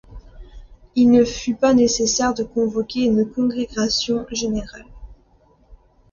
Il ne fut pas nécessaire de convoquer une Congrégation générale.